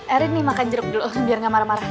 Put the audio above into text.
erin nih makan jeruk dulu biar gak marah marah